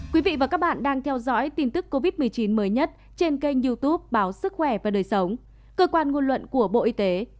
quý vị và các bạn đang theo dõi tin tức covid một mươi chín mới nhất trên kênh youtube báo sức khỏe và đời sống cơ quan ngôn luận của bộ y tế